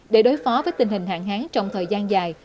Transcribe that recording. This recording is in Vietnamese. để đối phó với tình hình hạn hán trong thời gian dài